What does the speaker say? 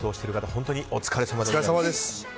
本当にお疲れさまです。